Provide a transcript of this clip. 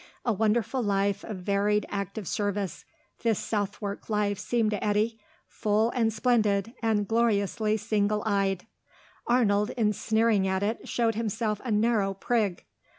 A wonderful life of varied active service, this Southwark life seemed to Eddy; full and splendid, and gloriously single eyed. Arnold, in sneering at it, showed himself a narrow prig.